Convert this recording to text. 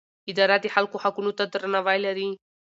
اداره د خلکو حقونو ته درناوی لري.